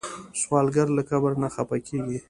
سوالګر له کبر نه خفه کېږي